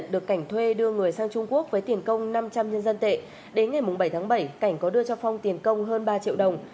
đến ngày bảy tháng bảy cảnh có đưa cho phong tiền công hơn ba triệu đồng